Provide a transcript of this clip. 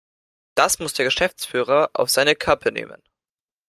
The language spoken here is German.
Das muss der Geschäftsführer auf seine Kappe nehmen.